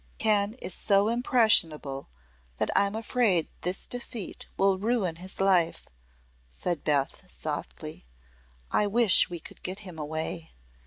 "Ken is so impressionable that I'm afraid this defeat will ruin his life," said Beth, softly. "I wish we could get him away.